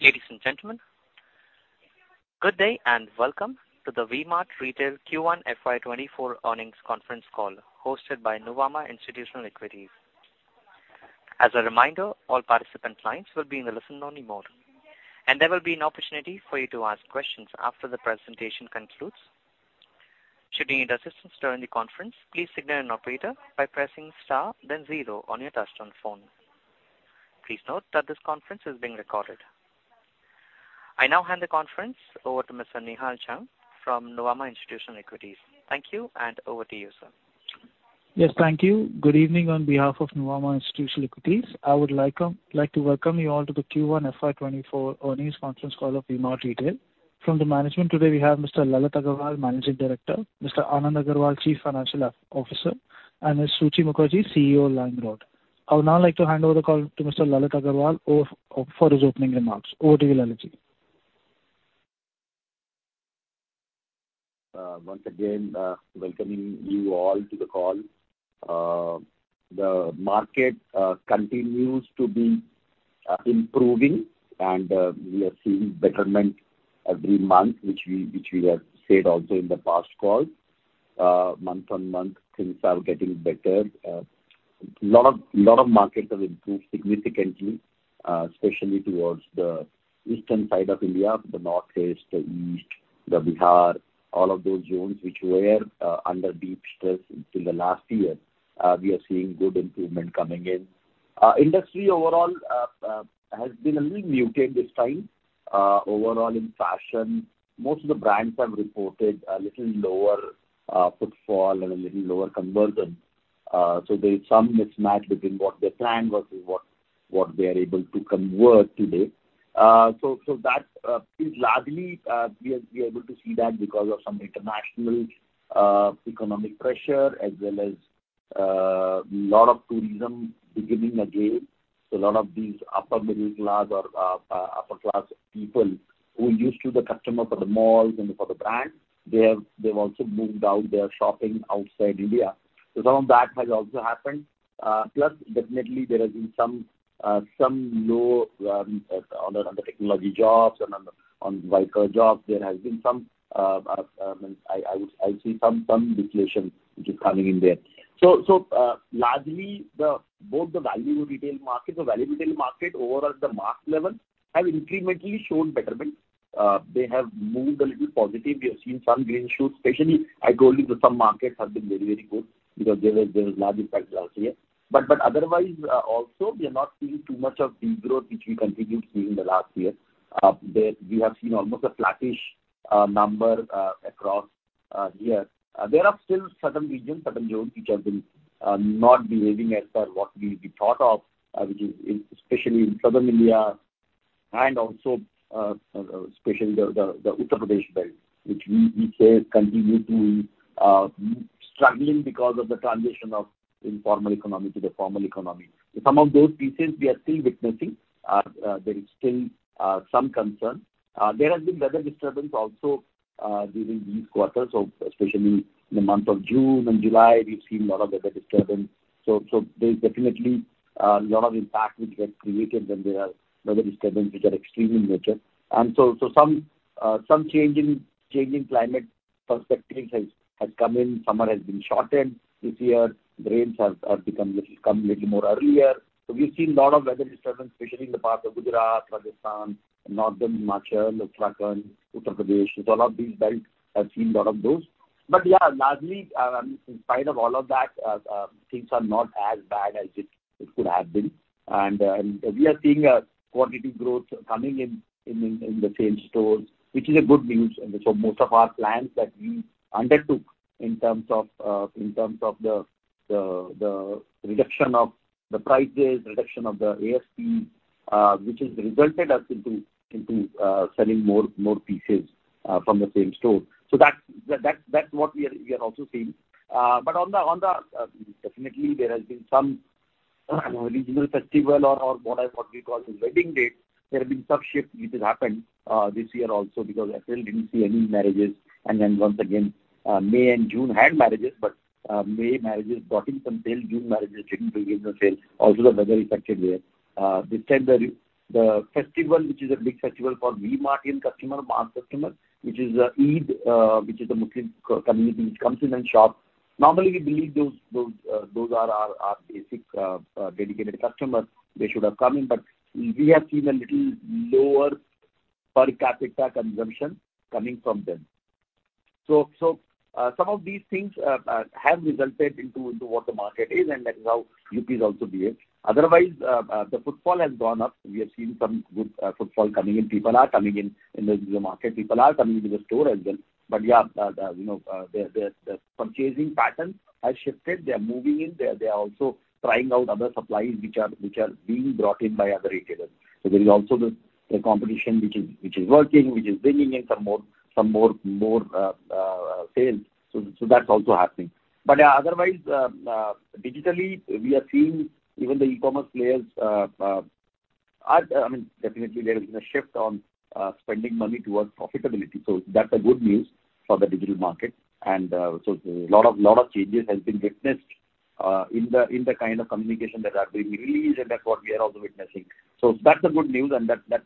Ladies and gentlemen, good day, welcome to the V-Mart Retail Q1 FY 2024 earnings conference call, hosted by Nuvama Institutional Equities. As a reminder, all participant lines will be in the listen-only mode, there will be an opportunity for you to ask questions after the presentation concludes. Should you need assistance during the conference, please signal an operator by pressing star then zero on your touchtone phone. Please note that this conference is being recorded. I now hand the conference over to Mr. Nihal Jham from Nuvama Institutional Equities. Thank you, over to you, sir. Yes, thank you. Good evening on behalf of Nuvama Institutional Equities. I would like, like to welcome you all to the Q1 FY 2024 earnings conference call of V-Mart Retail. From the management today we have Mr. Lalit Agarwal, Managing Director, Mr. Anand Agarwal, Chief Financial Officer, and Ms. Suchi Mukherjee, CEO, LimeRoad. I would now like to hand over the call to Mr. Lalit Agarwal over for his opening remarks. Over to you, Lalitji. Once again, welcoming you all to the call. The market continues to be improving, and we are seeing betterment every month, which we, which we have said also in the past call. Month-on-month, things are getting better. Lot of, lot of markets have improved significantly, especially towards the eastern side of India, the Northeast, the East, the Bihar, all of those zones which were under deep stress until the last year, we are seeing good improvement coming in. Industry overall has been a little muted this time. Overall in fashion, most of the brands have reported a little lower footfall and a little lower conversion. There is some mismatch between what they planned versus what, what they are able to convert today. So that is largely we are able to see that because of some international economic pressure, as well as lot of tourism beginning again. A lot of these upper middle class or upper class people who used to be the customer for the malls and for the brands, they have, they've also moved out, they are shopping outside India. Some of that has also happened. Plus, definitely there has been some low on the, on the technology jobs and on the, on white collar jobs. There has been some, I would see some deflation which is coming in there. Largely both the value retail market over at the mark level have incrementally shown betterment. They have moved a little positive. We have seen some green shoots, especially, I told you that some markets have been very, very good because there was, there was large impact last year. Otherwise, also, we are not seeing too much of degrowth, which we continued seeing in the last year. There we have seen almost a flattish number across here. There are still certain regions, certain zones, which have been not behaving as per what we thought of, which is in especially in Southern India and also especially the, the, the Uttar Pradesh belt, which we say continue to struggling because of the transition of informal economy to the formal economy. Some of those pieces we are still witnessing. There is still some concern. There has been weather disturbance also during this quarter. Especially in the month of June and July, we've seen a lot of weather disturbance. There's definitely a lot of impact which gets created when there are weather disturbance, which are extreme in nature. Some change in changing climate perspectives has come in. Summer has been shortened this year. Rains have, have become little, come little more earlier. We've seen a lot of weather disturbance, especially in the part of Gujarat, Rajasthan, Northern Himachal, Uttarakhand, Uttar Pradesh. A lot of these belts have seen a lot of those. Yeah, largely, in spite of all of that, things are not as bad as it, it could have been. We are seeing a qualitative growth coming in, in, in, in the same stores, which is a good news. Most of our plans that we undertook in terms of, in terms of the reduction of the prices, reduction of the ASP, which has resulted us into, into selling more, more pieces from the same store. That's, that's, that's what we are, we are also seeing. But on the, on the, definitely there has been some regional festival or, or what I, what we call the wedding date. There have been some shifts which has happened this year also because I still didn't see any marriages. Then once again, May and June had marriages, but May marriages brought in some sales, June marriages didn't bring in the sales. Also, the weather affected there. This time the, the festival, which is a big festival for V-Martian customer, V-Mart customer, which is Eid, which is a Muslim community, which comes in and shop. Normally, we believe those, those, those are our, our basic, dedicated customers. They should have come in, we have seen a little lower per capita consumption coming from them. Some of these things have resulted into, into what the market is, and that is how Jupis also behave. Otherwise, the footfall has gone up. We have seen some good footfall coming in. People are coming in, in the, the market. People are coming to the store as well. Yeah, the, you know, the, the, the purchasing patterns have shifted. They are moving in. They are, they are also trying out other supplies which are, which are being brought in by other retailers. There is also the, the competition, which is, which is working, which is bringing in some more, some more, more sales. That's also happening. Otherwise, digitally, we are seeing even the e-commerce players are. I mean, definitely there has been a shift on spending money towards profitability. That's a good news for the digital market. A lot of, lot of changes has been witnessed. In the kind of communication that are being released, and that's what we are also witnessing. That's a good news, and that, that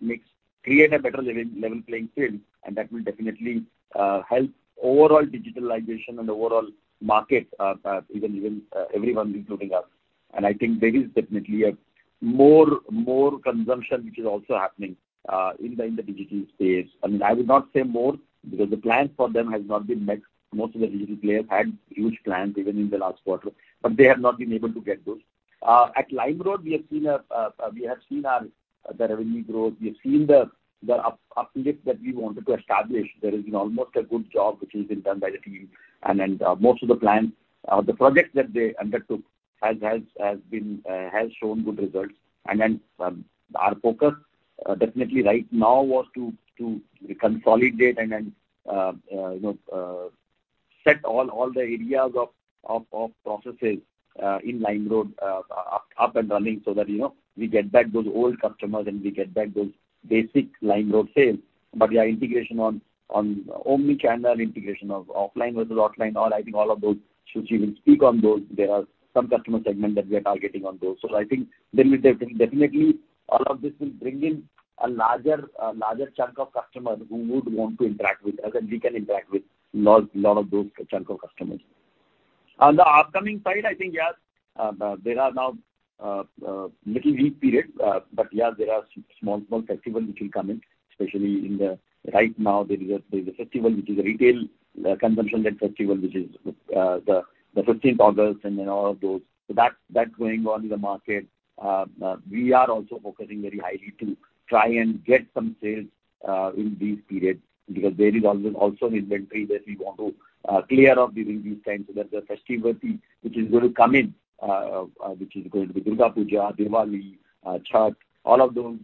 makes, create a better level, level playing field, and that will definitely help overall digitalization and overall market, even, even, everyone, including us. I think there is definitely a more, more consumption, which is also happening in the digital space. I mean, I would not say more because the plans for them has not been met. Most of the digital players had huge plans even in the last quarter, but they have not been able to get those. At LimeRoad, we have seen a, we have seen our, the revenue growth. We have seen the, the up, uplift that we wanted to establish. There has been almost a good job, which has been done by the team. Then, most of the plans, the projects that they undertook has, has, has been, has shown good results. Then, our focus, definitely right now was to, to consolidate and, you know, set all the areas of processes in LimeRoad up and running so that, you know, we get back those old customers, and we get back those basic LimeRoad sales. Yeah, integration on omni-channel, integration of offline versus online, all, I think all of those, Suchi will speak on those. There are some customer segment that we are targeting on those. I think there will definitely all of this will bring in a larger, a larger chunk of customers who would want to interact with us, and we can interact with lot, lot of those chunk of customers. On the upcoming side, I think, yes, there are now little weak period. Yeah, there are small, small festival which will come in, especially in the right now, there is a, there is a festival which is a retail, consumption led festival, which is the 15th August and then all of those. That's, that's going on in the market. We are also focusing very highly to try and get some sales in these periods because there is always also inventory that we want to clear off during these times, so that the festivity which is going to come in, which is going to be Durga Puja, Diwali, Chhath, all of those,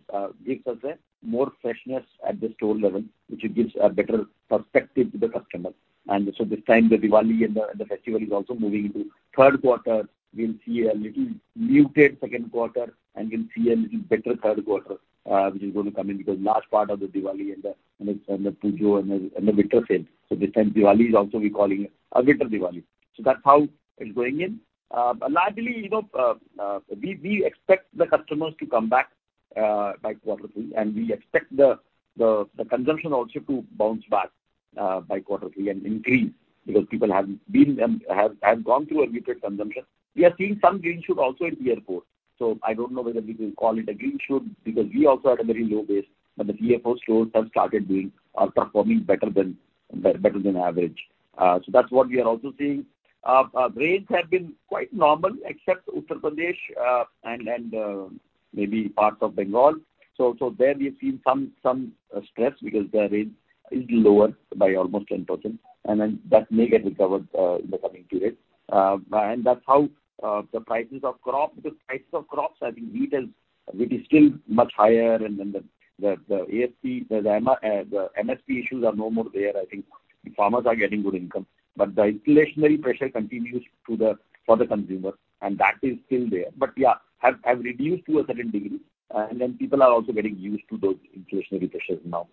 gives us a more freshness at the store level, which it gives a better perspective to the customer. This time, the Diwali and the festival is also moving into third quarter. We'll see a little muted second quarter, and we'll see a little better third quarter, which is going to come in because last part of the Diwali and the Puja and the winter sales. This time, Diwali is also we calling it a winter Diwali. That's how it's going in. Largely, you know, we expect the customers to come back by quarter three, and we expect the consumption also to bounce back by quarter three and increase because people have been, have gone through a muted consumption. We are seeing some green shoot also at the airport, I don't know whether we will call it a green shoot because we also had a very low base. The airport stores have started doing, are performing better than, better than average. That's what we are also seeing. Rains have been quite normal, except Uttar Pradesh, and maybe parts of Bengal. There we have seen some stress because the rain is lower by almost 10%, and that may get recovered in the coming period. That's how the prices of crops, the prices of crops, I think, wheat is, wheat is still much higher, and the ASP, the MSP issues are no more there. I think the farmers are getting good income, the inflationary pressure continues for the consumer, and that is still there. Yeah, have reduced to a certain degree, people are also getting used to those inflationary pressures now.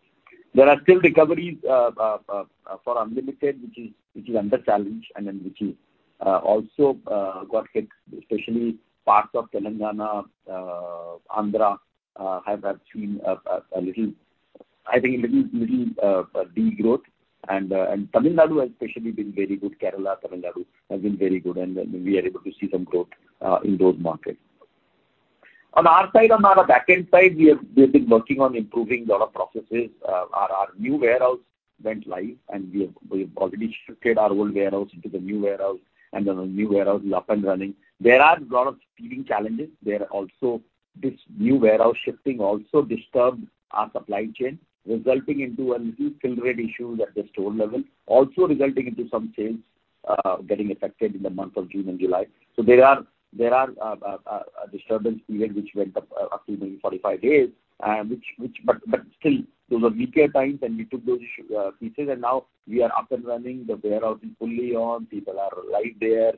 There are still recoveries for Unlimited, which is under challenge and then which is also got hit, especially parts of Telangana, Andhra, have seen a little, I think a little degrowth. And Tamil Nadu has especially been very good. Kerala, Tamil Nadu has been very good, we are able to see some growth in those markets. On our side, on our backend side, we have been working on improving a lot of processes. Our new warehouse went live. We have, we have already shifted our old warehouse into the new warehouse. The new warehouse is up and running. There are a lot of speeding challenges. There are also this new warehouse shifting also disturbed our supply chain, resulting into a little fill rate issues at the store level, also resulting into some sales getting affected in the month of June and July. There are, there are a disturbance period which went up to maybe 45 days. Still, those are weaker times. We took those issues, pieces. Now we are up and running. The warehouse is fully on. People are right there.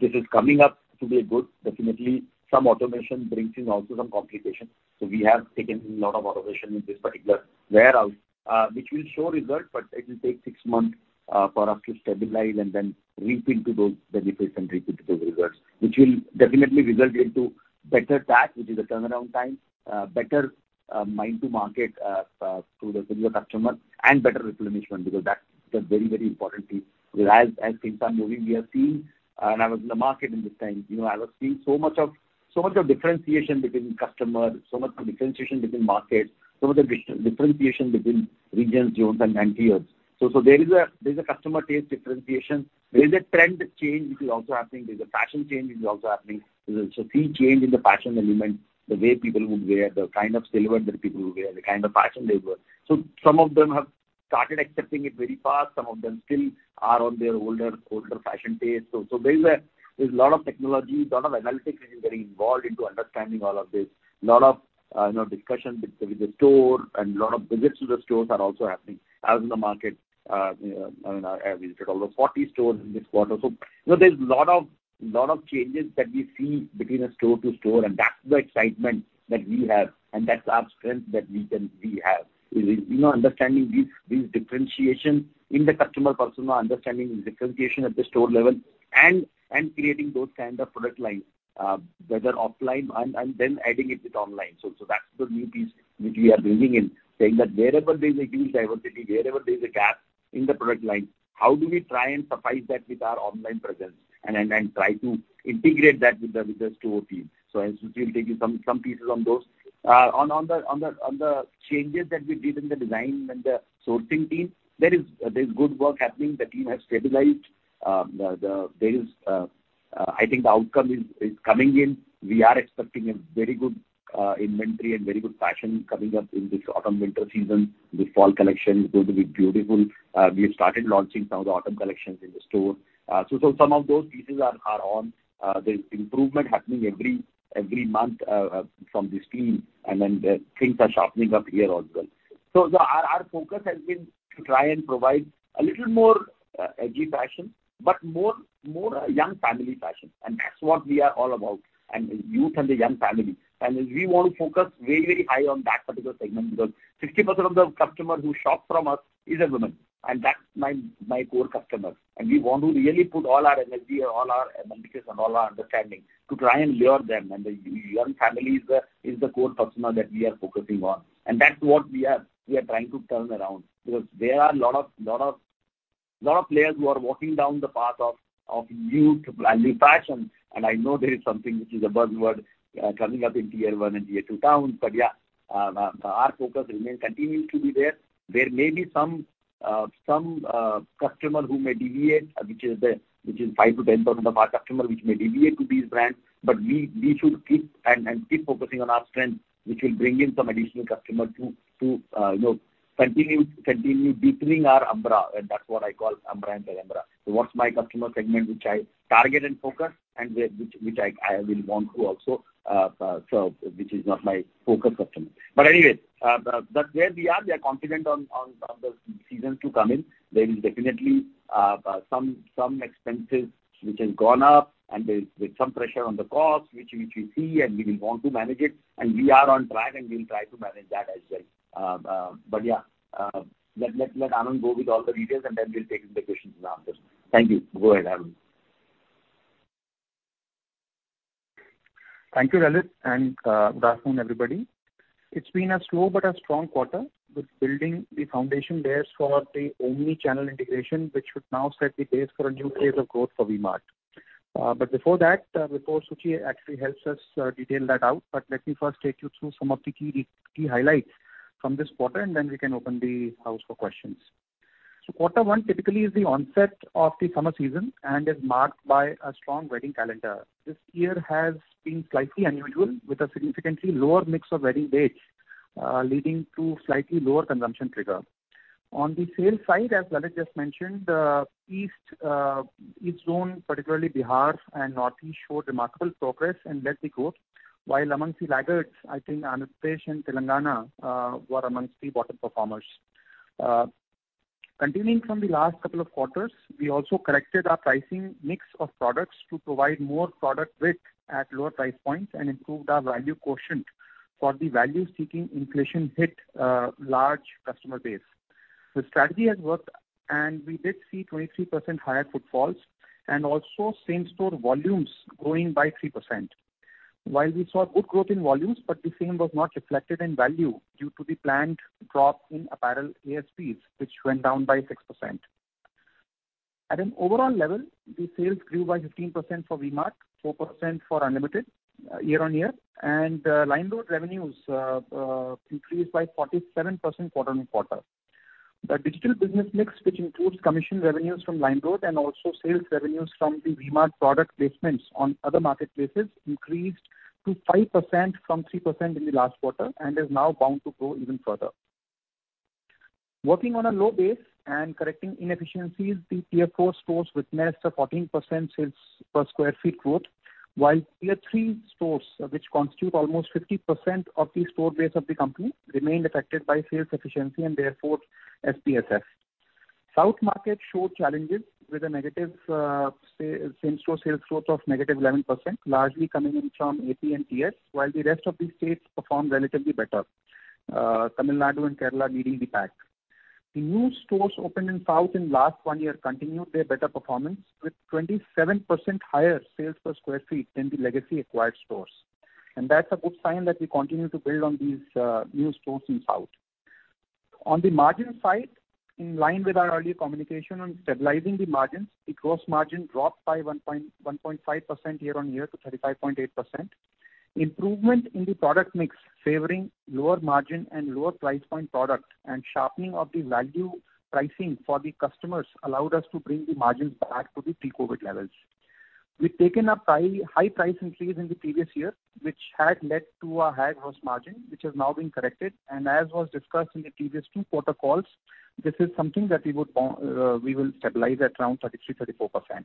This is coming up to be a good. Definitely, some automation brings in also some complication. We have taken a lot of automation in this particular warehouse, which will show results, but it will take six months for us to stabilize and then reap into those benefits and reap into those results, which will definitely result into better TAT, which is a turnaround time, better mind to market to the customer and better replenishment, because that's a very, very important thing. As things are moving, we are seeing, and I was in the market in this time, you know, I was seeing so much of, so much of differentiation between customers, so much of differentiation between markets, so much of differentiation between regions, zones and interiors. There is a customer taste differentiation. There is a trend change, which is also happening. There's a fashion change, which is also happening. There's a sea change in the fashion element, the way people would wear, the kind of silhouette that people would wear, the kind of fashion they wear. Some of them have started accepting it very fast. Some of them still are on their older, older fashion taste. There is a, there's a lot of technology, lot of analytics, which is getting involved into understanding all of this. Lot of, you know, discussion with the, with the store and lot of visits to the stores are also happening. I was in the market, you know, I mean, I visited almost 40 stores in this quarter. You know, there's a lot of, lot of changes that we see between a store to store, and that's the excitement that we have, and that's our strength that we have. We know understanding these, these differentiations in the customer persona, understanding the differentiation at the store level and creating those kind of product lines, whether offline and then adding it with online. That's the new piece which we are bringing in, saying that wherever there is a huge diversity, wherever there is a gap in the product line, how do we try and suffice that with our online presence and try to integrate that with the store team? As Suchi will give you some, some pieces on those. On the changes that we did in the design and the sourcing team, there's good work happening. The team has stabilized. There is, I think, the outcome is coming in. We are expecting a very good inventory and very good fashion coming up in this autumn/winter season. The fall collection is going to be beautiful. We have started launching some of the autumn collections in the store. So some of those pieces are on. There's improvement happening every month from this team, and then the things are sharpening up here as well. Our focus has been to try and provide a little more edgy fashion, but more, more a young family fashion, and that's what we are all about, and the youth and the young family. We want to focus very, very high on that particular segment, because 60% of the customers who shop from us is a woman, and that's my, my core customer. We want to really put all our energy and all our emphasis and all our understanding to try and lure them. The young family is the core customer that we are focusing on. That's what we are trying to turn around, because there are a lot of players who are walking down the path of youth and the fashion, and I know there is something which is a buzzword coming up in Tier I and Tier II towns. Yeah, our focus remains continuing to be there. There may be some, some customer who may deviate, which is the, which is 5%-10% of our customer, which may deviate to these brands, but we, we should keep and, and keep focusing on our strength, which will bring in some additional customer to, to, you know, continue, continue deepening our umbra, and that's what I call umbra and penumbra. What's my customer segment, which I target and focus, which, which I, I will want to also serve, which is not my focus customer. Anyway, the, that's where we are. We are confident on, on, on the seasons to come in. There is definitely some, some expenses which has gone up, and there's some pressure on the cost, which, which we see, and we will want to manage it, and we are on track, and we'll try to manage that as well. Yeah, let, let, let Anand go with all the details, and then we'll take the questions and answers. Thank you. Go ahead, Anand. Thank you, Lalit, good afternoon, everybody. It's been a slow but a strong quarter with building the foundation layers for the omni-channel integration, which should now set the pace for a new phase of growth for V-Mart. Before that, before Suchi actually helps us detail that out, let me first take you through some of the key, key highlights from this quarter, then we can open the house for questions. Quarter one typically is the onset of the summer season and is marked by a strong wedding calendar. This year has been slightly unusual, with a significantly lower mix of wedding dates, leading to slightly lower consumption trigger. On the sales side, as Lalit just mentioned, east, east zone, particularly Bihar and Northeast, showed remarkable progress and led the growth, while amongst the laggards, I think Andhra Pradesh and Telangana were amongst the bottom performers. Continuing from the last couple of quarters, we also corrected our pricing mix of products to provide more product width at lower price points and improved our value quotient for the value-seeking inflation-hit, large customer base. The strategy has worked, and we did see 23% higher footfalls, and also same-store volumes growing by 3%. While we saw good growth in volumes, but the same was not reflected in value due to the planned drop in apparel ASPs, which went down by 6%. At an overall level, the sales grew by 15% for V-Mart, 4% for Unlimited, year-on-year, and LimeRoad revenues increased by 47% quarter-on-quarter. The digital business mix, which includes commission revenues from LimeRoad and also sales revenues from the V-Mart product placements on other marketplaces, increased to 5% from 3% in the last quarter and is now bound to grow even further. Working on a low base and correcting inefficiencies, the Tier 4 stores witnessed a 14% sales per sq ft growth, while Tier 3 stores, which constitute almost 50% of the store base of the company, remained affected by sales efficiency and therefore SPSS. South market showed challenges with a negative same-store sales growth of negative 11%, largely coming in from AP and TS, while the rest of the states performed relatively better, Tamil Nadu and Kerala leading the pack. The new stores opened in South in last one year continued their better performance, with 27% higher sales per square feet than the legacy acquired stores. That's a good sign that we continue to build on these new stores in South. On the margin side, in line with our earlier communication on stabilizing the margins, the gross margin dropped by 1.5% year-over-year to 35.8%. Improvement in the product mix, favoring lower margin and lower price point product, and sharpening of the value pricing for the customers allowed us to bring the margins back to the pre-COVID levels. We've taken a high price increase in the previous year, which had led to a higher gross margin, which has now been corrected, and as was discussed in the previous two quarter calls, this is something that we would, we will stabilize at around 33%-34%.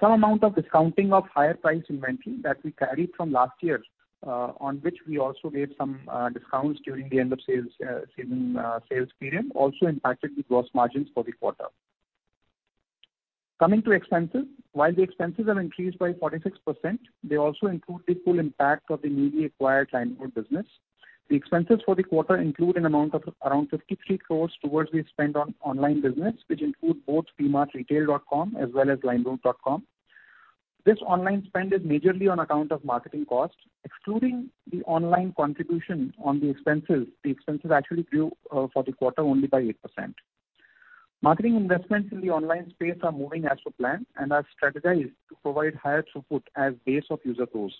Some amount of discounting of higher price inventory that we carried from last year, on which we also gave some discounts during the end of sales season, sales period, also impacted the gross margins for the quarter. Coming to expenses, while the expenses have increased by 46%, they also include the full impact of the newly acquired LimeRoad business. The expenses for the quarter include an amount of around 53 crore towards we spent on online business, which include both vmartretail.com as well as LimeRoad.com. This online spend is majorly on account of marketing costs, excluding the online contribution on the expenses. The expenses actually grew for the quarter only by 8%. Marketing investments in the online space are moving as per plan and are strategized to provide higher support as base of user grows.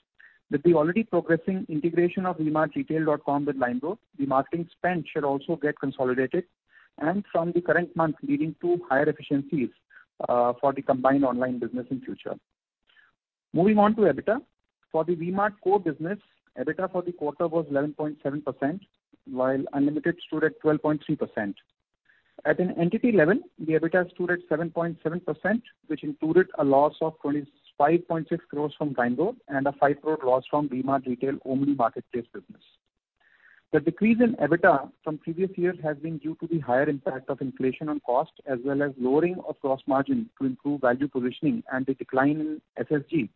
With the already progressing integration of vmartretail.com with LimeRoad, the marketing spend should also get consolidated, and from the current month, leading to higher efficiencies for the combined online business in future. Moving on to EBITDA. For the V-Mart core business, EBITDA for the quarter was 11.7%, while Unlimited stood at 12.3%. At an entity level, the EBITDA stood at 7.7%, which included a loss of 25.6 crore from LimeRoad and an 5 crore loss from V-Mart Retail only marketplace business. The decrease in EBITDA from previous years has been due to the higher impact of inflation on cost, as well as lowering of gross margin to improve value positioning and the decline in SSSG,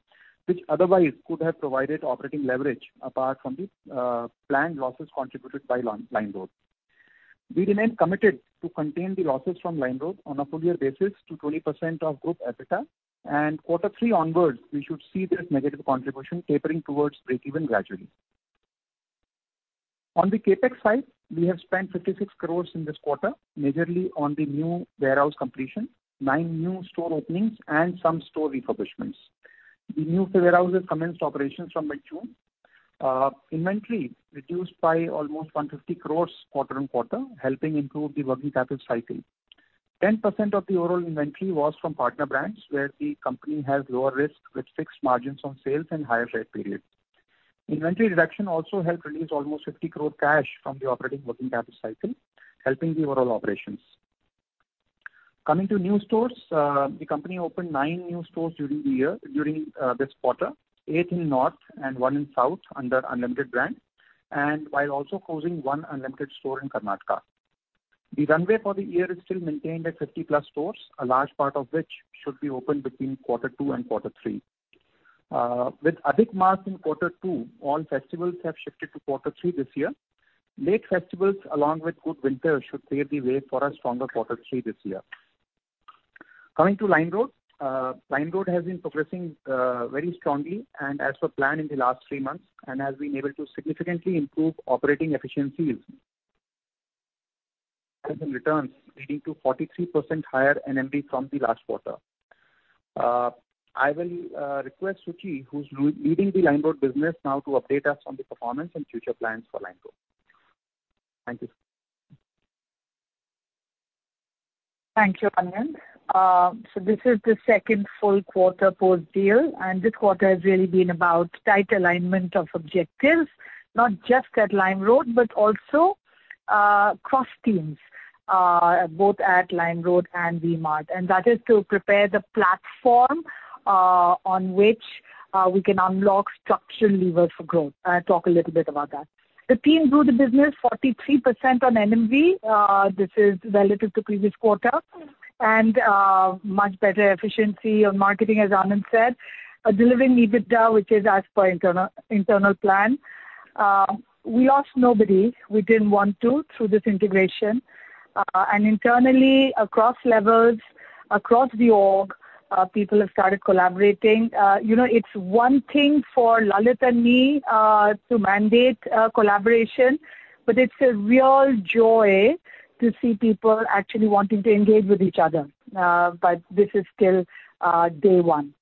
which otherwise could have provided operating leverage apart from the planned losses contributed by LimeRoad. We remain committed to contain the losses from LimeRoad on a full year basis to 20% of group EBITDA. Quarter three onwards, we should see this negative contribution tapering towards breakeven gradually. On the CapEx side, we have spent 56 crore in this quarter, majorly on the new warehouse completion, nine new store openings and some store refurbishments. The new warehouses commenced operations from mid-June. Inventory reduced by almost 150 crore quarter-on-quarter, helping improve the working capital cycle. 10% of the overall inventory was from partner brands, where the company has lower risk with fixed margins on sales and higher trade period. Inventory reduction also helped release almost 50 crore cash from the operating working capital cycle, helping the overall operations. Coming to new stores, the company opened nine new stores during the year, during this quarter, eight in north and one in south, under Unlimited, and while also closing one Unlimited store in Karnataka. The runway for the year is still maintained at 50-plus stores, a large part of which should be opened between quarter two and quarter three. With Adhik Maas in quarter two, all festivals have shifted to quarter three this year. Late festivals, along with good winter, should clear the way for a stronger quarter three this year. Coming to LimeRoad, LimeRoad has been progressing very strongly and as per plan in the last three months, and has been able to significantly improve operating efficiencies and returns, leading to 43% higher NMV from the last quarter. I will request Suchi, who's leading the LimeRoad business now, to update us on the performance and future plans for LimeRoad. Thank you. Thank you, Anand. This is the second full quarter post-deal, and this quarter has really been about tight alignment of objectives, not just at LimeRoad, but also cross-teams, both at LimeRoad and V-Mart. That is to prepare the platform on which we can unlock structural levers for growth. I'll talk a little bit about that. The team grew the business 43% on NMV, this is relative to previous quarter, and much better efficiency on marketing, as Anand said. Delivering EBITDA, which is as per internal plan. We lost nobody we didn't want to through this integration. Internally, across levels, across the org, people have started collaborating. You know, it's one thing for Lalit and me to mandate collaboration, but it's a real joy to see people actually wanting to engage with each other. But this is still day one.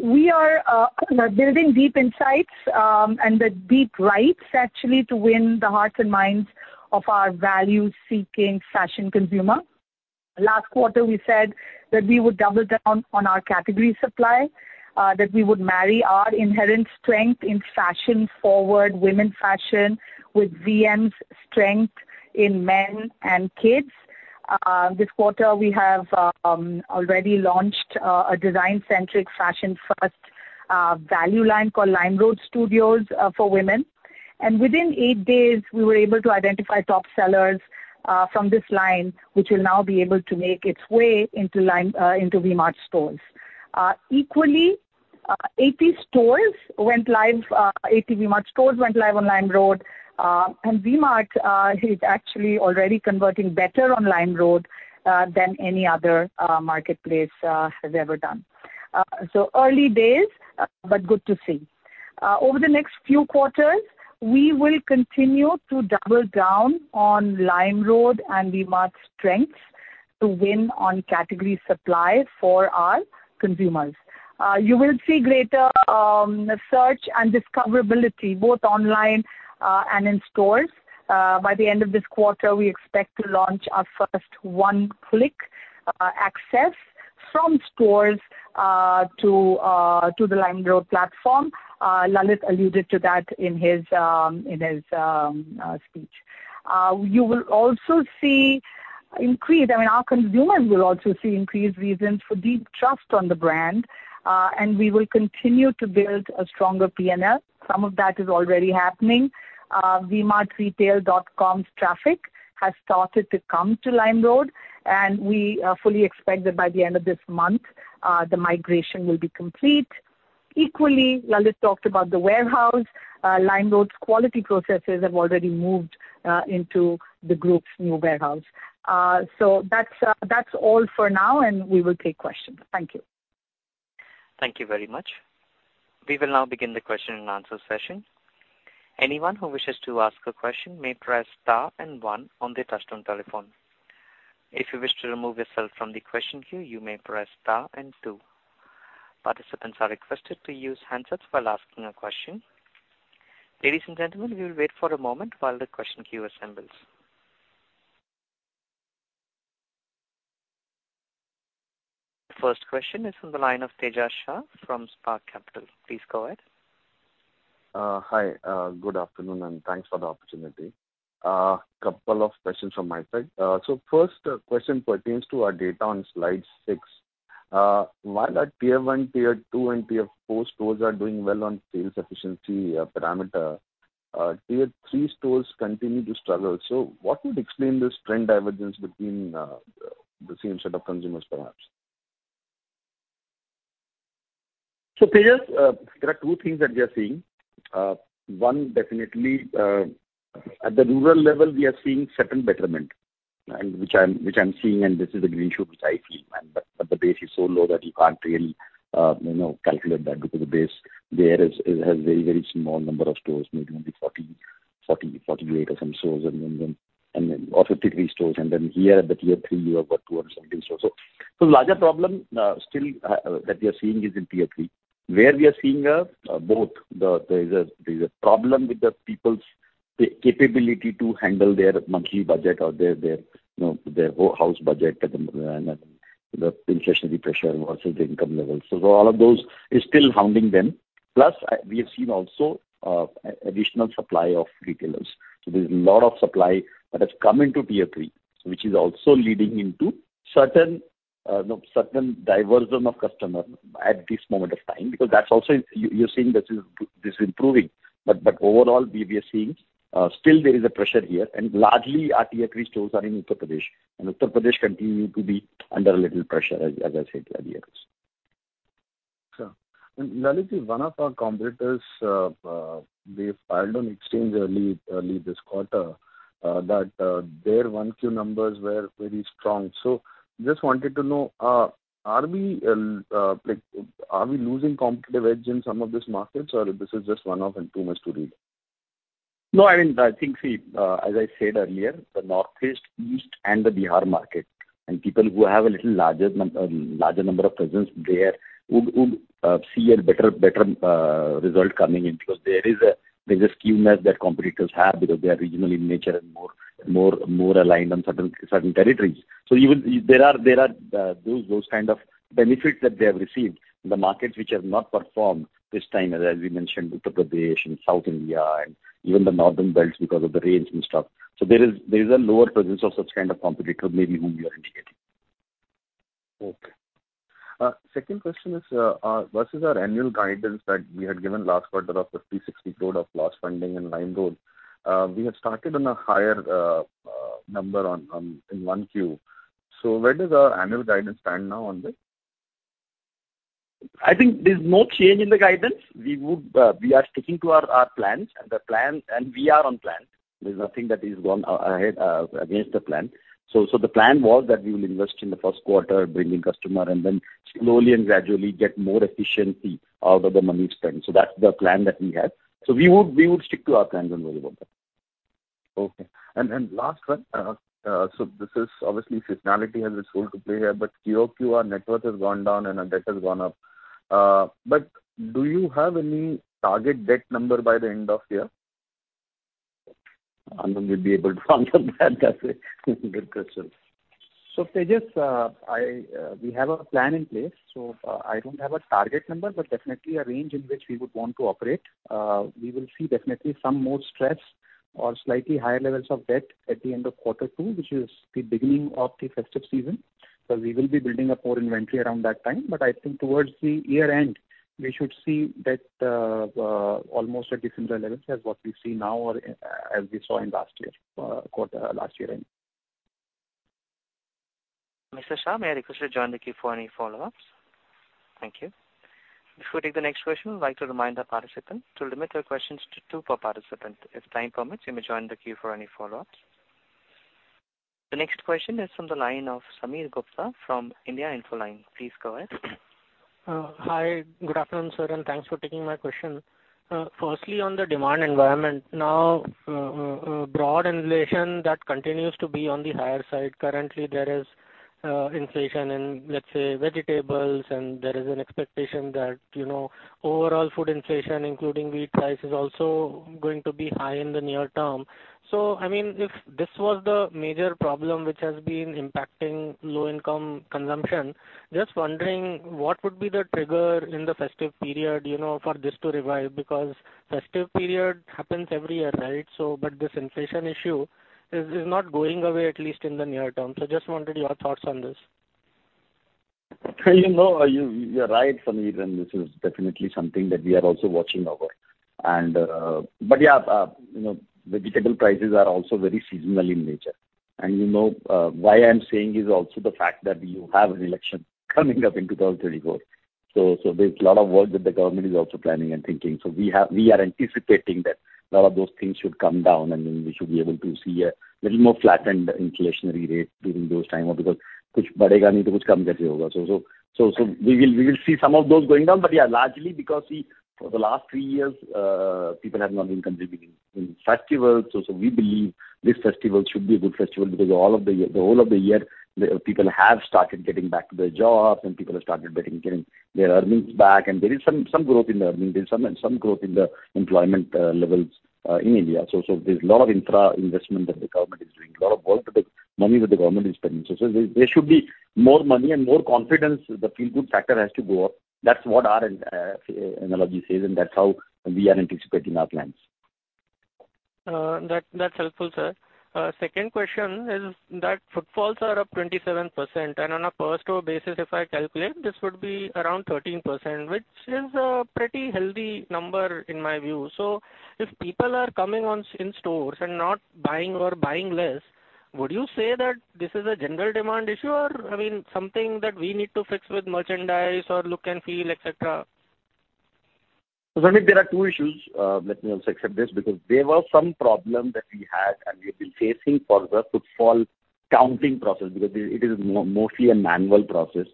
We are building deep insights, and with deep rights, actually, to win the hearts and minds of our value-seeking fashion consumer. Last quarter, we said that we would double down on our category supply, that we would marry our inherent strength in fashion-forward women's fashion with VM's strength in men and kids. This quarter, we have already launched a design-centric, fashion-first, value line called LimeRoad Studios for women. Within eight days, we were able to identify top sellers from this line, which will now be able to make its way into V-Mart stores. Equally, 80 stores went live, 80 V-Mart stores went live on LimeRoad, and V-Mart is actually already converting better on LimeRoad than any other marketplace has ever done. Early days, but good to see. Over the next few quarters, we will continue to double down on LimeRoad and V-Mart's strengths to win on category supply for our consumers. You will see greater search and discoverability, both online and in stores. By the end of this quarter, we expect to launch our first one-click access from stores to the LimeRoad platform. Lalit alluded to that in his in his speech. You will also see increase... I mean, our consumers will also see increased reasons for deep trust on the brand, and we will continue to build a stronger P&L. Some of that is already happening. vmartretail.com's traffic has started to come to LimeRoad. We fully expect that by the end of this month, the migration will be complete. ...Equally, Lalit talked about the warehouse, LimeRoad's quality processes have already moved into the group's new warehouse. That's, that's all for now, and we will take questions. Thank you. Thank you very much. We will now begin the question and answer session. Anyone who wishes to ask a question may press star and one on their touchtone telephone. If you wish to remove yourself from the question queue, you may press star and two. Participants are requested to use handsets while asking a question. Ladies and gentlemen, we will wait for a moment while the question queue assembles. First question is from the line of Tejash Shah from Spark Capital. Please go ahead. Hi, good afternoon, thanks for the opportunity. Couple of questions from my side. First question pertains to our data on slide six. While our Tier 1, Tier 2, and Tier 4 stores are doing well on sales efficiency, parameter, Tier three stores continue to struggle. What would explain this trend divergence between the same set of consumers, perhaps? Tejash, there are two things that we are seeing. One, definitely, at the rural level, we are seeing certain betterment, and which I'm, which I'm seeing, and this is a green shoot, which I feel. But the base is so low that you can't really, you know, calculate that because the base there is, it has very, very small number of stores, maybe only 40, 40, 48 or some stores, and then, and then, or 53 stores. Here at the Tier 3, you have got 200 something stores. Larger problem, still, that we are seeing is in Tier 3, where we are seeing a, both the... There is a problem with the people's capability to handle their monthly budget or their, you know, their whole house budget and the inflationary pressure versus the income level. All of those is still hounding them. Plus, we have seen also, additional supply of retailers. There's a lot of supply that has come into Tier 3, which is also leading into certain, certain diversion of customer at this moment of time, because that's also, you're seeing this is, this improving. Overall, we are seeing, still there is a pressure here. Largely, our Tier 3 stores are in Uttar Pradesh, and Uttar Pradesh continue to be under a little pressure, as I said earlier. Sure. Lalit, one of our competitors, they filed on exchange early, early this quarter, that, their 1Q numbers were very strong. Just wanted to know, are we, like, are we losing competitive edge in some of these markets, or this is just one-off and too much to read? I mean, I think, as I said earlier, the Northeast, East, and the Bihar market, people who have a little larger number of presence there, would see a better, better result coming in, because there is a, there is a skewness that competitors have, because they are regional in nature and more, more, more aligned on certain, certain territories. There are those, those kind of benefits that they have received in the markets which have not performed this time, as we mentioned, Uttar Pradesh and South India and even the northern belts because of the rains and stuff. There is a lower presence of such kind of competitors, maybe whom you are indicating. Okay. Second question is, what is our annual guidance that we had given last quarter of 50-60 crore of loss funding in LimeRoad? We had started on a higher number on, on, in 1Q. Where does our annual guidance stand now on this? I think there's no change in the guidance. We would, we are sticking to our, our plans, and the plan, and we are on plan. There's nothing that is gone ahead against the plan. The plan was that we will invest in the first quarter, bringing customer, and then slowly and gradually get more efficiency out of the money spent. That's the plan that we have. We would, we would stick to our plans and worry about that. Okay. Last one, this is obviously seasonality has its role to play here, quarter-over-quarter, our network has gone down and our debt has gone up. Do you have any target debt number by the end of year? Anand will be able to answer that. That's a good question. Tejash, I, we have a plan in place, so, I don't have a target number, but definitely a range in which we would want to operate. We will see definitely some more stress or slightly higher levels of debt at the end of quarter two, which is the beginning of the festive season, so we will be building up more inventory around that time. I think towards the year-end, we should see that, almost at similar levels as what we see now or as we saw in last year, quarter, last year-end. Mr. Shah, may I request you to join the queue for any follow-ups? Thank you. Before we take the next question, I'd like to remind the participant to limit their questions to two per participant. If time permits, you may join the queue for any follow-ups. The next question is from the line of Sameer Gupta from India Infoline. Please go ahead. Hi. Good afternoon, sir, and thanks for taking my question. Firstly, on the demand environment, now, broad inflation, that continues to be on the higher side. Currently, there is inflation in, let's say, vegetables, and there is an expectation that, you know, overall food inflation, including wheat price, is also going to be high in the near term. I mean, if this was the major problem which has been impacting low-income consumption, just wondering what would be the trigger in the festive period, you know, for this to revive? Because festive period happens every year, right? But this inflation issue is, is not going away, at least in the near term. Just wanted your thoughts on this. You know, you, you're right, Sameer, and this is definitely something that we are also watching over. But yeah, you know, vegetable prices are also very seasonal in nature. You know, why I'm saying is also the fact that you have an election coming up in 2024. There's a lot of work that the government is also planning and thinking. We are anticipating that a lot of those things should come down, and then we should be able to see a little more flattened inflationary rate during those time, because we will see some of those going down. Yeah, largely because we, for the last three years, people have not been contributing in festival. So we believe this festival should be a good festival because all of the year, the whole of the year, the people have started getting back to their jobs, and people have started getting their earnings back. There is some, some growth in the earnings. There's some, some growth in the employment levels in India. So there's a lot of intra investment that the government is doing, a lot of money that the government is spending. There, there should be more money and more confidence. The feel good factor has to go up. That's what our analogy says, and that's how we are anticipating our plans. That, that's helpful, sir. Second question is that footfalls are up 27%, and on a per store basis, if I calculate, this would be around 13%, which is a pretty healthy number in my view. If people are coming on in stores and not buying or buying less, would you say that this is a general demand issue, or, I mean, something that we need to fix with merchandise or look and feel, et cetera? I think there are two issues. Let me also accept this, because there was some problem that we had, and we've been facing for the footfall counting process, because it is mostly a manual process,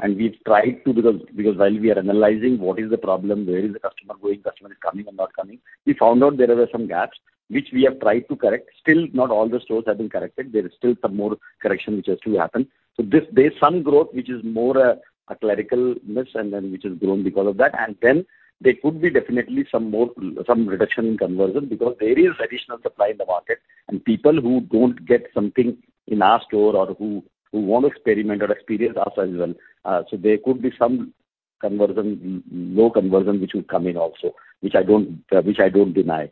and we've tried to, because, because while we are analyzing what is the problem, where is the customer going, customer is coming and not coming, we found out there were some gaps which we have tried to correct. Still, not all the stores have been corrected. There is still some more correction which has to happen. This, there's some growth which is more a clerical miss and then which is grown because of that. There could be definitely some more, some reduction in conversion, because there is additional supply in the market, and people who don't get something in our store or who, who want to experiment or experience us as well. There could be some conversion, low conversion, which would come in also, which I don't, which I don't deny.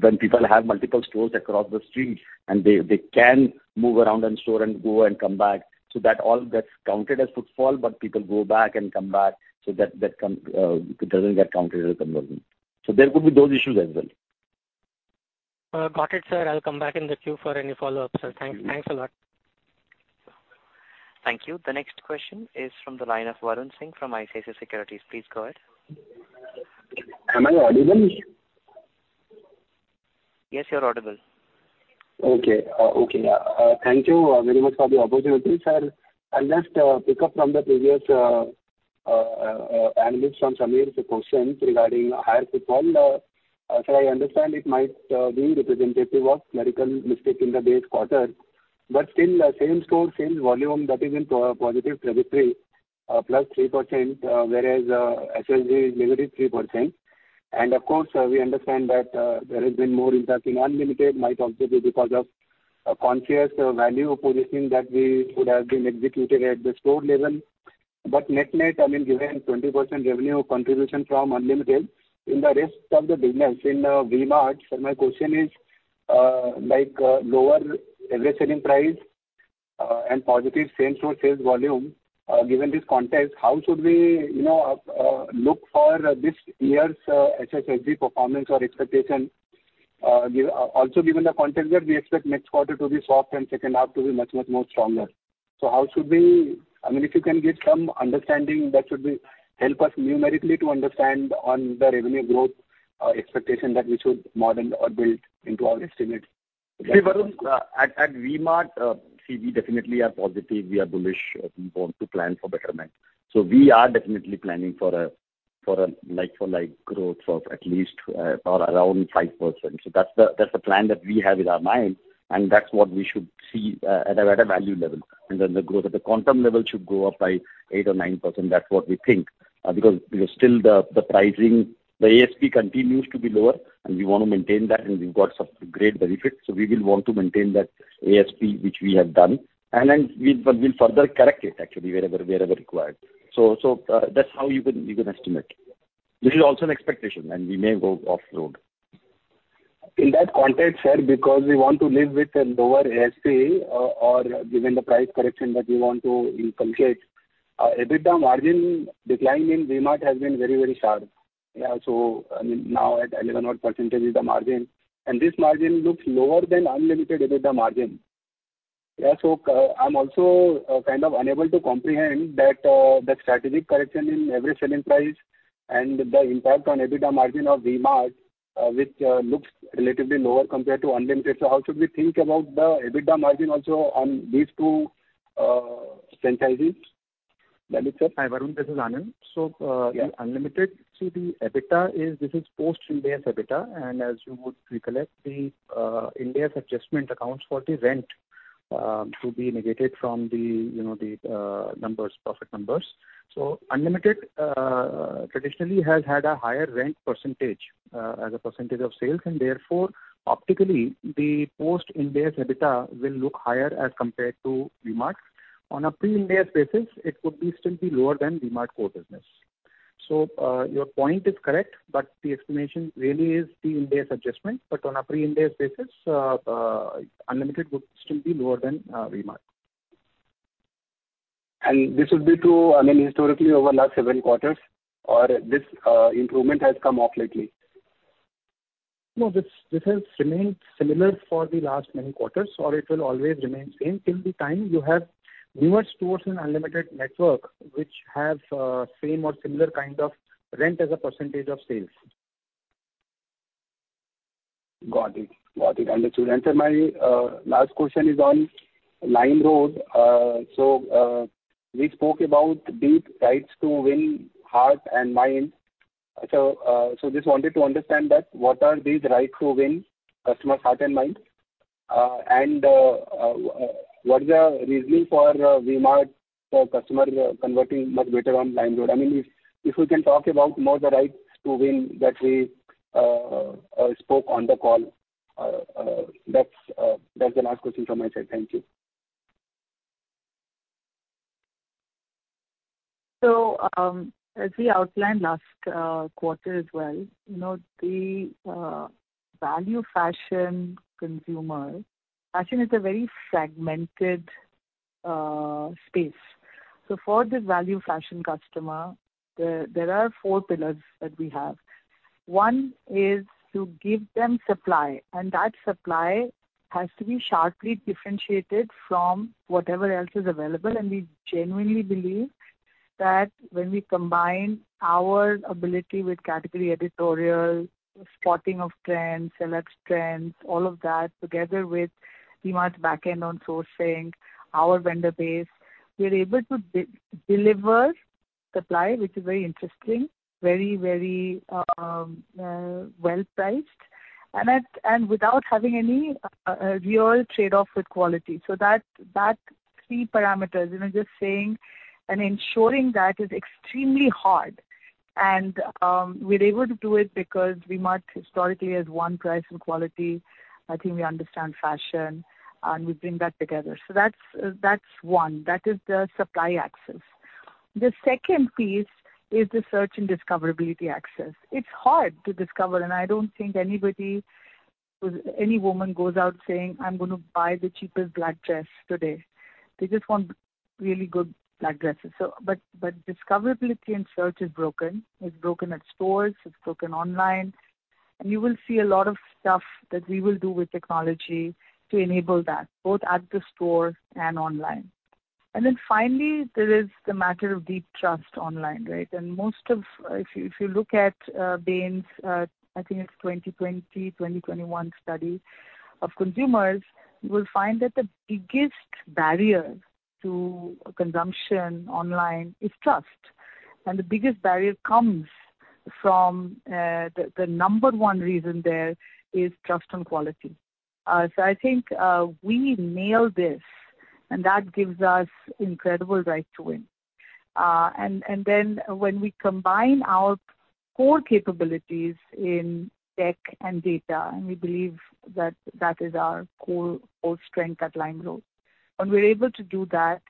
When people have multiple stores across the street, and they, they can move around in store and go and come back, so that all gets counted as footfall, but people go back and come back, so that, that come, it doesn't get counted as a conversion. There could be those issues as well. Got it, sir. I'll come back in the queue for any follow-up, sir. thanks a lot. Thank you. The next question is from the line of Varun Singh from ICICI Securities. Please go ahead. Am I audible? Yes, you're audible. Okay. Okay, thank you very much for the opportunity, sir. I'll just pick up from the previous analysis from Sameer's question regarding higher footfall. I understand it might be representative of clerical mistake in the base quarter, but still, same store, same volume that is in positive trajectory, +3%, whereas SSSG is -3%. Of course, we understand that there has been more impact in Unlimited, might also be because of a conscious value positioning that we would have been executed at the store level. Net-net, I mean, given 20% revenue contribution from Unlimited in the rest of the business in V-Mart, so my question is, like, lower average selling price and positive same store sales volume, given this context, how should we, you know, look for this year's SSSG performance or expectation? Also given the context that we expect next quarter to be soft and second half to be much, much more stronger. How should we? I mean, if you can give some understanding, that should help us numerically to understand on the revenue growth expectation that we should model or build into our estimates. See, Varun, at, at V-Mart, see, we definitely are positive, we are bullish. We want to plan for betterment. We are definitely planning for a, for a like-for-like growth of at least, or around 5%. That's the, that's the plan that we have in our mind, and that's what we should see, at a, at a value level. Then the growth at the quantum level should go up by 8% or 9%. That's what we think. Because, because still the, the pricing, the ASP continues to be lower, and we want to maintain that, and we've got some great benefits. We will want to maintain that ASP, which we have done. Then we, we'll further correct it actually, wherever, wherever required. That's how you can, you can estimate. This is also an expectation, and we may go off road. In that context, sir, because we want to live with a lower ASP, or given the price correction that we want to inculcate, EBITDA margin decline in V-Mart has been very, very sharp. I mean, now at 11% odd is the margin, and this margin looks lower than Unlimited EBITDA margin. I'm also kind of unable to comprehend that the strategic correction in average selling price and the impact on EBITDA margin of V-Mart, which looks relatively lower compared to Unlimited. How should we think about the EBITDA margin also on these two franchises? Hi, Varun, this is Anand. Yeah. Unlimited, see, the EBITDA is, this is post-Ind AS EBITDA, and as you would recollect, the Ind AS adjustment accounts for the rent to be negated from the, you know, the numbers, profit numbers. Unlimited traditionally has had a higher rent percentage as a percentage of sales, and therefore, optically, the post-Ind AS EBITDA will look higher as compared to V-Mart. On a pre-Ind AS basis, it would still be lower than V-Mart core business. Your point is correct, but the explanation really is the Ind AS adjustment. On a pre-Ind AS basis, Unlimited would still be lower than V-Mart. this would be true, I mean, historically, over last several quarters, or this improvement has come off lately? No, this, this has remained similar for the last many quarters, or it will always remain same till the time you have numerous stores in Unlimited network, which have same or similar kind of rent as a percentage of sales. Got it. Got it, understood. Then my last question is on LimeRoad. We spoke about deep rights to win heart and mind. Just wanted to understand that, what are these right to win customer's heart and mind? What is the reasoning for V-Mart for customer converting much better on LimeRoad? I mean, if, if you can talk about more the rights to win that we spoke on the call, that's the last question from my side. Thank you. As we outlined last quarter as well, you know, the value fashion consumer, fashion is a very fragmented space. For this value fashion customer, there are four pillars that we have. One is to give them supply, that supply has to be sharply differentiated from whatever else is available. We genuinely believe that when we combine our ability with category editorial, spotting of trends, select trends, all of that, together with V-Mart's back-end on sourcing, our vendor base, we're able to de-deliver supply, which is very interesting, very, very well-priced, and without having any real trade-off with quality. That three parameters, you know, just saying and ensuring that is extremely hard. We're able to do it because V-Mart historically has won price and quality. I think we understand fashion, and we bring that together. That's, that's one. That is the supply access. The second piece is the search and discoverability access. It's hard to discover, and I don't think anybody, any woman goes out saying, "I'm gonna buy the cheapest black dress today." They just want really good black dresses. But, but discoverability and search is broken. It's broken at stores, it's broken online, and you will see a lot of stuff that we will do with technology to enable that, both at the store and online. Then finally, there is the matter of deep trust online, right? Most of... If you, if you look at Bain's, I think it's 2020, 2021 study of consumers, you will find that the biggest barrier to consumption online is trust. The biggest barrier comes from the number one reason there is trust and quality. I think we nail this, and that gives us incredible right to win. Then when we combine our core capabilities in tech and data, and we believe that that is our core, core strength at LimeRoad. When we're able to do that,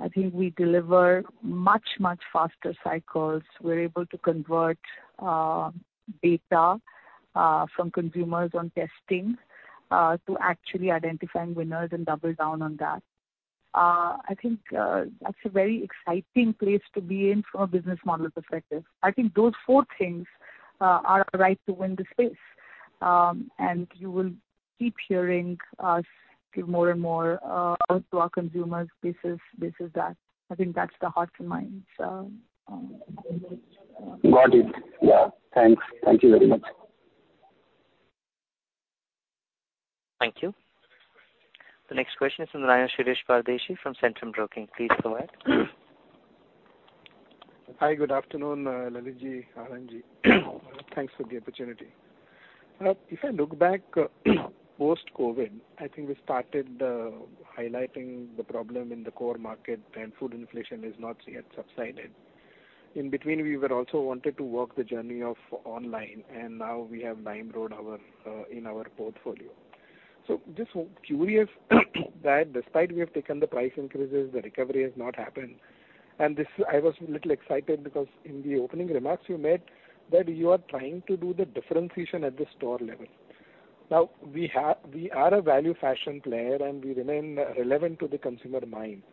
I think we deliver much, much faster cycles. We're able to convert data from consumers on testing to actually identifying winners and double down on that. I think that's a very exciting place to be in from a business model perspective. I think those four things are a right to win the space. You will keep hearing us give more and more out to our consumers. This is, this is that. I think that's the heart and mind, so. Got it. Yeah, thanks. Thank you very much. Thank you. The next question is from Shirish Pardeshi from Centrum Broking. Please go ahead. Hi, good afternoon, Lalitji, Anandji. Thanks for the opportunity. If I look back post-COVID, I think we started highlighting the problem in the core market, and food inflation has not yet subsided. In between, we were also wanted to work the journey of online, and now we have LimeRoad our in our portfolio. Just curious, that despite we have taken the price increases, the recovery has not happened. This, I was a little excited because in the opening remarks you made, that you are trying to do the differentiation at the store level. Now, we are a value fashion player, and we remain relevant to the consumer mind,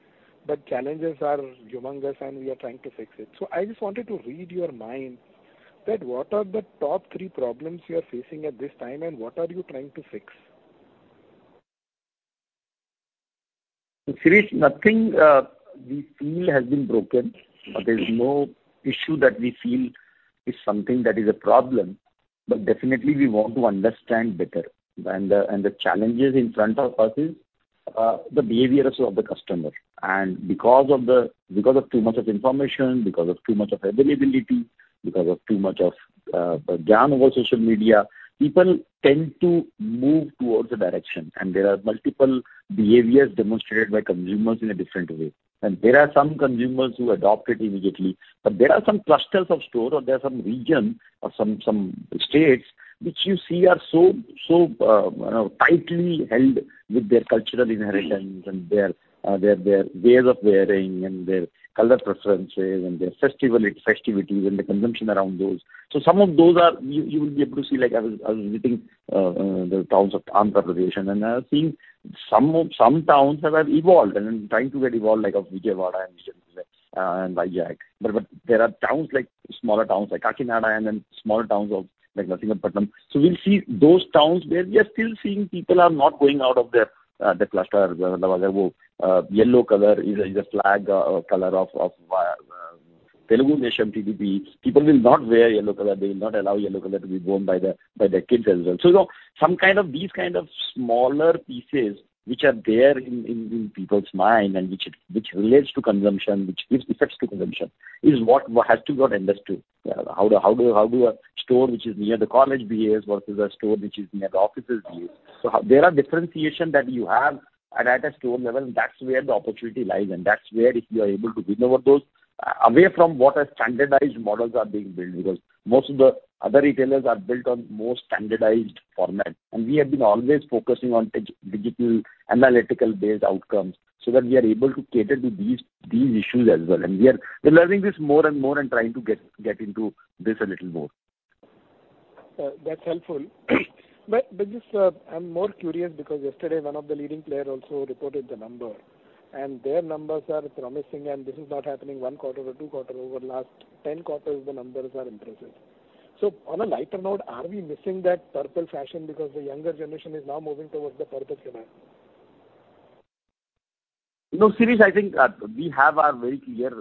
but challenges are humongous and we are trying to fix it. I just wanted to read your mind, that what are the top three problems you are facing at this time, and what are you trying to fix? Shirish, nothing, we feel has been broken, or there is no issue that we feel is something that is a problem, but definitely we want to understand better. The challenges in front of us is the behaviors of the customer. Because of too much of information, because of too much of availability, because of too much of jam over social media, people tend to move towards a direction. There are multiple behaviors demonstrated by consumers in a different way. There are some consumers who adopt it immediately, but there are some clusters of store or there are some region or some, some states which you see are so, so tightly held with their cultural inheritances and their, their ways of wearing and their color preferences and their festival festivities and the consumption around those. Some of those are. You will be able to see, like, I was, I was visiting, the towns of Amta region, and I was seeing some towns that have evolved and trying to get evolved like of Vijayawada and Vijayawada. There are towns like, smaller towns like Kakinada, and then smaller towns of, like Narsipatnam. We'll see those towns where we are still seeing people are not going out of their, their cluster. Yellow color is a flag color of Telugu nation, TDP. People will not wear yellow color. They will not allow yellow color to be worn by their, by their kids as well. You know, some kind of these kind of smaller pieces which are there in people's mind, and which relates to consumption, which gives effects to consumption, is what, what has to got understood. How do a store which is near the college behaves versus a store which is near the offices behaves? There are differentiation that you have and at a store level, that's where the opportunity lies, and that's where if you are able to deliver those away from what a standardized models are being built, because most of the other retailers are built on more standardized format. We have been always focusing on digital, analytical based outcomes, so that we are able to cater to these issues as well. We're learning this more and more and trying to get into this a little more. That's helpful. But just, I'm more curious because yesterday one of the leading player also reported the number, and their numbers are promising, and this is not happening one quarter or two quarters. Over the last 10 quarters, the numbers are impressive. On a lighter note, are we missing that purple fashion because the younger generation is now moving towards the purple fashion? You know, Shirish, I think, we have our very clear,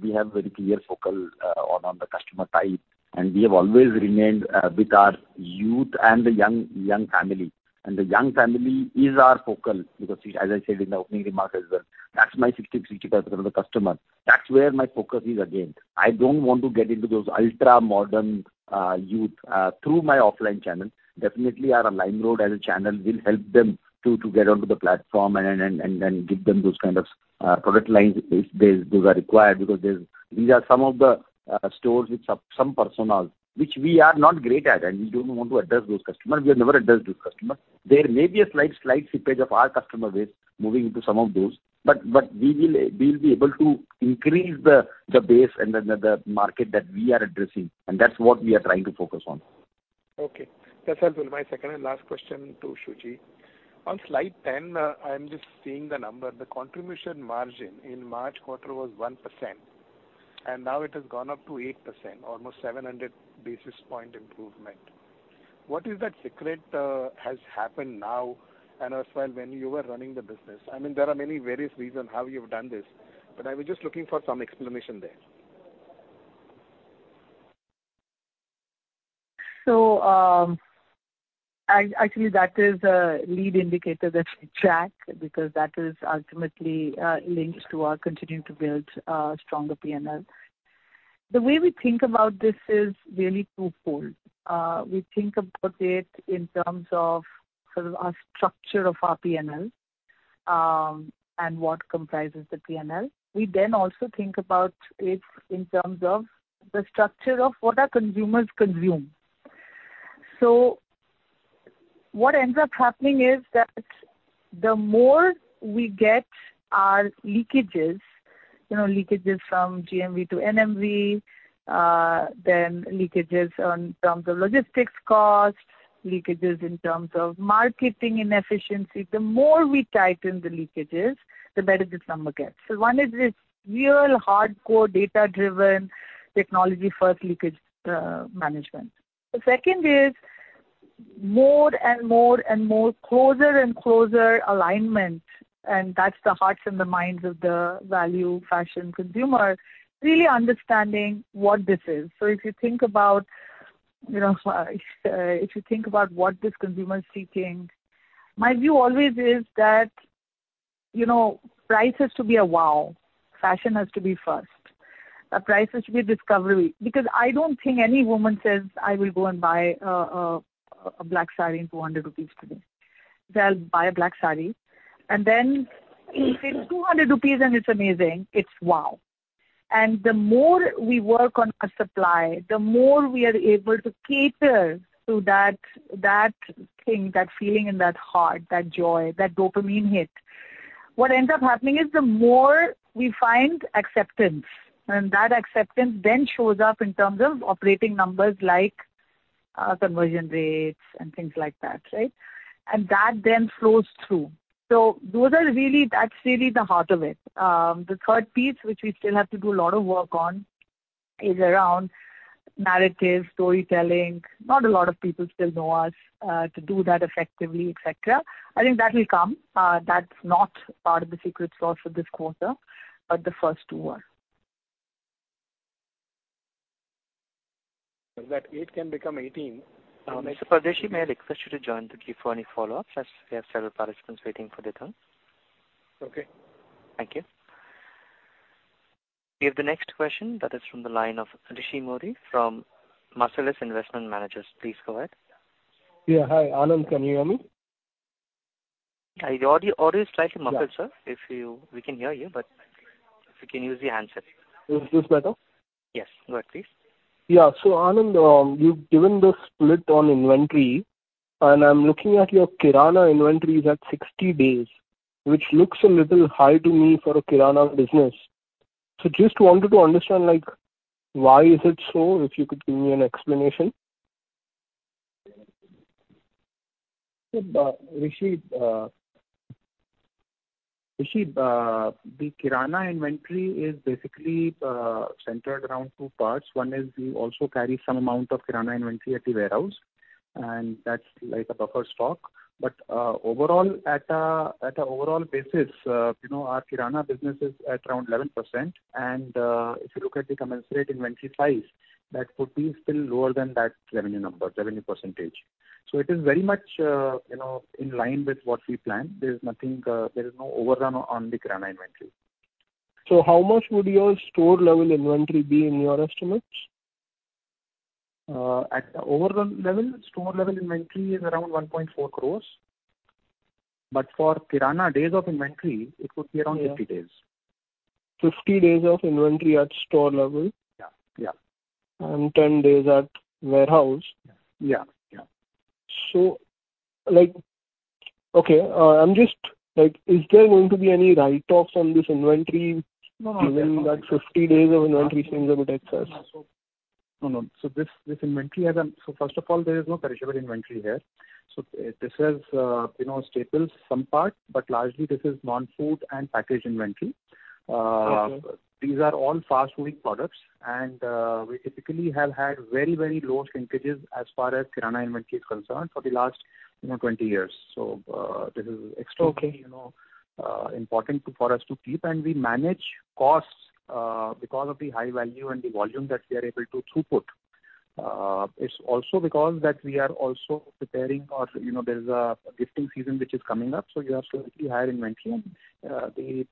we have very clear focal on, on the customer type, and we have always remained with our youth and the young, young family. The young family is our focal, because as I said in the opening remark as well, that's my 60, 60% of the customer. That's where my focus is again. I don't want to get into those ultra-modern youth through my offline channel. Definitely, our LimeRoad as a channel will help them to, to get onto the platform and, and, and, and give them those kind of product lines if they, those are required. Because these are some of the stores with some, some personas which we are not great at, and we don't want to address those customers. We have never addressed those customers. There may be a slight, slight seepage of our customer base moving into some of those, but we will, we'll be able to increase the base and the market that we are addressing, and that's what we are trying to focus on. Okay, that's helpful. My second and last question to Suchi. On slide 10, I'm just seeing the number. The contribution margin in March quarter was 1%, now it has gone up to 8%, almost 700 basis point improvement. What is that secret, has happened now, and as well, when you were running the business? I mean, there are many various reasons how you've done this, but I was just looking for some explanation there. Actually, that is a lead indicator that we track, because that is ultimately linked to our continuing to build stronger P&L. The way we think about this is really twofold. We think about it in terms of sort of our structure of our P&L and what comprises the P&L. We then also think about it in terms of the structure of what our consumers consume. What ends up happening is that the more we get our leakages, you know, leakages from GMV to NMV, then leakages on terms of logistics costs, leakages in terms of marketing inefficiency, the more we tighten the leakages, the better this number gets. One is this real hardcore, data-driven, technology-first leakage management. The second is more and more and more closer and closer alignment, and that's the hearts and the minds of the value fashion consumer, really understanding what this is. If you think about, you know, if you think about what this consumer is seeking, my view always is that, you know, price has to be a wow, fashion has to be first. A price has to be discovery, because I don't think any woman says, "I will go and buy a black sari in 200 rupees today." They'll buy a black sari, and then if it's 200 rupees and it's amazing, it's wow! The more we work on our supply, the more we are able to cater to that, that thing, that feeling in that heart, that joy, that dopamine hit. What ends up happening is the more we find acceptance, and that acceptance then shows up in terms of operating numbers like, conversion rates and things like that, right? That then flows through. Those are really, that's really the heart of it. The third piece, which we still have to do a lot of work on, is around narrative, storytelling. Not a lot of people still know us, to do that effectively, et cetera. I think that will come. That's not part of the secret sauce for this quarter, but the first two are. That eight can become 18? Mr. Pardeshi, may I request you to join the queue for any follow-ups, as we have several participants waiting for their turn? Okay. Thank you. We have the next question that is from the line of Rishi Mody from Marcellus Investment Managers. Please go ahead. Yeah, hi, Anand, can you hear me? Your audio, audio is slightly muffled, sir. Yeah. We can hear you. If you can use the handset. It's better? Yes. Go ahead, please. Yeah. Anand, you've given the split on inventory, and I'm looking at your Kirana inventories at 60 days, which looks a little high to me for a Kirana business. Just wanted to understand, like, why is it so? If you could give me an explanation. Rishi, Rishi, the Kirana inventory is basically, centered around two parts. One is we also carry some amount of Kirana inventory at the warehouse, and that's like a buffer stock. Overall, at a, at a overall basis, you know, our Kirana business is at around 11%, and, if you look at the commensurate inventory size, that would be still lower than that revenue number, revenue percentage. It is very much, you know, in line with what we planned. There is nothing, there is no overrun on the Kirana inventory. How much would your store level inventory be in your estimates? At the overall level, store level inventory is around 1.4 crores. For Kirana, days of inventory, it would be around 50 days. 50 days of inventory at store level? Yeah, yeah. 10 days at warehouse. Yeah, yeah. Like, okay, I'm just, like, is there going to be any write-offs on this inventory? No, no. Given that 50 days of inventory seems a bit excess? No, no. This, this inventory item. First of all, there is no perishable inventory here. This is, you know, staples, some part, but largely this is non-food and packaged inventory. Okay. These are all fast-moving products, and we typically have had very, very low shrinkages as far as Kirana inventory is concerned for the last, you know, 20 years. This is extremely- Okay. You know, important for us to keep. We manage costs because of the high value and the volume that we are able to throughput. It's also because that we are also preparing our, you know, there's a gifting season which is coming up, so you have slightly higher inventory. The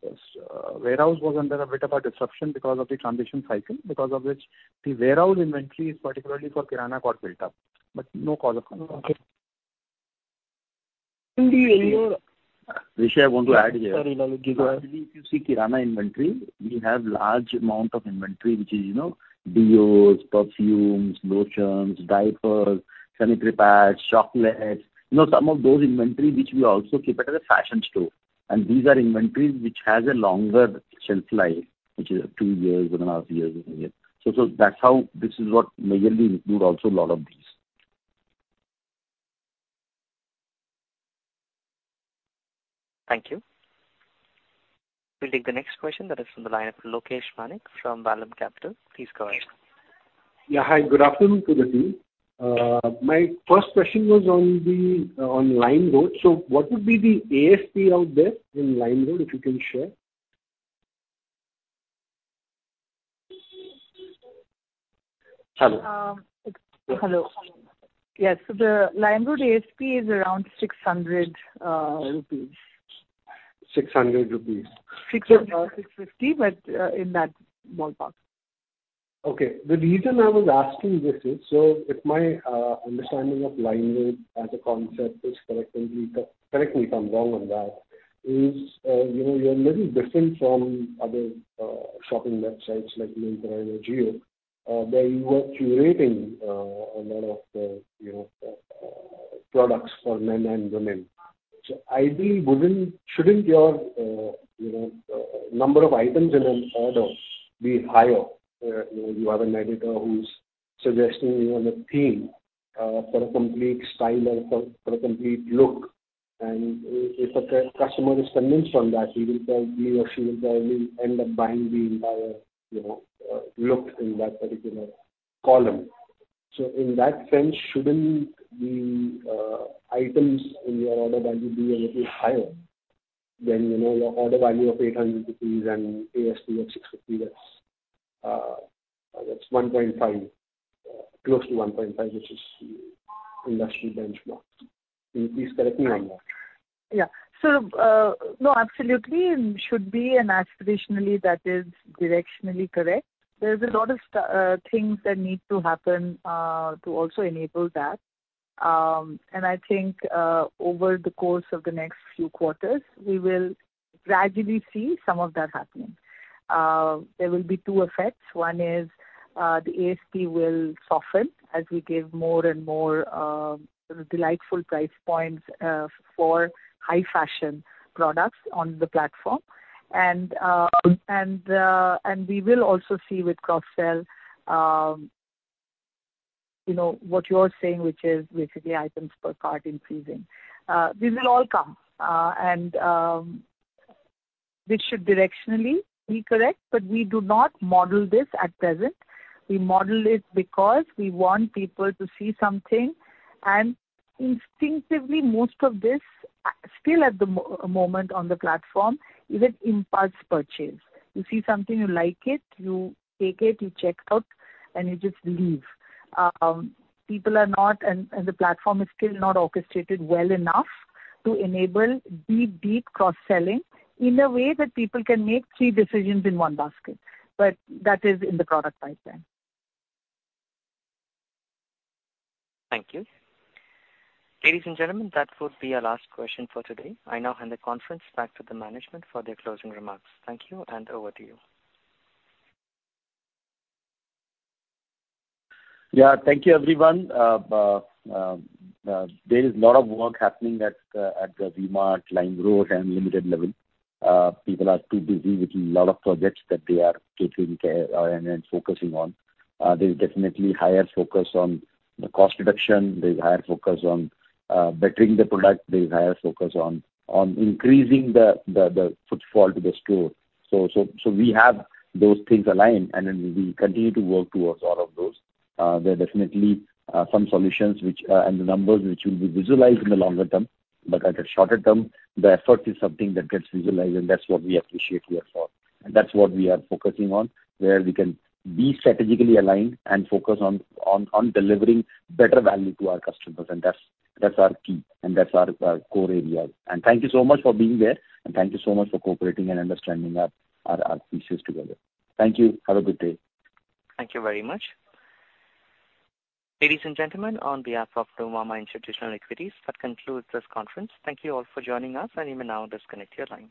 warehouse was under a bit of a disruption because of the transition cycle, because of which the warehouse inventory is particularly for Kirana got built up, but no cause of concern. Okay. In the year- Rishi, I want to add here. Sorry, Lalit. Go ahead. If you see Kirana inventory, we have large amount of inventory, which is, you know, deos, perfumes, lotions, diapers, sanitary pads, chocolates, you know, some of those inventory which we also keep it as a fashion store. These are inventories which has a longer shelf life, which is two years, one and a half years. So that's how, this is what majorly include also a lot of these. Thank you. We'll take the next question that is from the line of Lokesh Panik from Vallum Capital. Please go ahead. Yeah, hi. Good afternoon to the team. My first question was on the, on LimeRoad. What would be the ASP out there in LimeRoad, if you can share? Hello? Hello. Yes, the LimeRoad ASP is around 600 rupees. 600 rupees. 600, 650, but in that ballpark. Okay. The reason I was asking this is, if my understanding of LimeRoad as a concept is correct and correct me if I'm wrong on that, is, you know, you're a little different from other shopping websites like Myntra or JioMart. Where you are curating a lot of, you know, products for men and women. Ideally, shouldn't your, you know, number of items in an order be higher? You know, you have an editor who's suggesting, you know, a theme for a complete style or for a complete look. If a customer is convinced on that, he will probably, or she will probably end up buying the entire, you know, look in that particular column. In that sense, shouldn't the items in your order value be a little higher than, you know, your order value of 800 rupees and ASP of 650? That's 1.5, close to 1.5, which is industry benchmark. Please correct me on that. Yeah. No, absolutely, it should be, and aspirationally, that is directionally correct. There's a lot of things that need to happen to also enable that. I think, over the course of the next few quarters, we will gradually see some of that happening. There will be two effects. One is, the ASP will soften as we give more and more delightful price points for high-fashion products on the platform. And, and we will also see with cross-sell, you know, what you're saying, which is basically items per cart increasing. These will all come, and, this should directionally be correct, but we do not model this at present. We model it because we want people to see something, and instinctively, most of this, still at the moment on the platform, is an impulse purchase. You see something, you like it, you take it, you check out, and you just leave. People are not... The platform is still not orchestrated well enough to enable the deep cross-selling in a way that people can make three decisions in one basket. That is in the product pipeline. Thank you. Ladies and gentlemen, that would be our last question for today. I now hand the conference back to the management for their closing remarks. Thank you, and over to you. Yeah, thank you, everyone. There is a lot of work happening at the V-Mart, LimeRoad, and Unlimited level. People are too busy with a lot of projects that they are taking care and focusing on. There's definitely higher focus on the cost reduction, there's higher focus on bettering the product, there's higher focus on increasing the footfall to the store. We have those things aligned, and then we continue to work towards all of those. There are definitely some solutions which and the numbers which will be visualized in the longer term, but at a shorter term, the effort is something that gets visualized, and that's what we appreciate here for. That's what we are focusing on, where we can be strategically aligned and focus on delivering better value to our customers, and that's, that's our key and that's our core area. Thank you so much for being there, and thank you so much for cooperating and understanding our pieces together. Thank you. Have a good day. Thank you very much. Ladies and gentlemen, on behalf of Nomura Institutional Equities, that concludes this conference. Thank you all for joining us, and you may now disconnect your line.